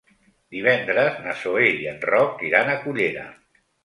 Divendres na Zoè i en Roc iran a Cullera.